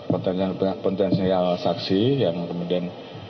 potensial saksi yang kemudian bisa kita timbulkan